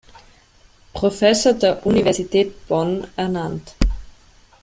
Professor der Universität Bonn ernannt.